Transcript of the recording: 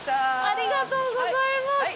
ありがとうございます。